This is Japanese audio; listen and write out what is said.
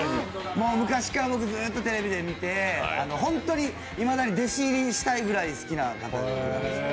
もう昔からずっとテレビで見てホントに、いまだに弟子入りしたいくらい好きな方です。